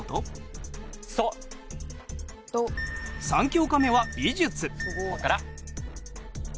３教科目は美術。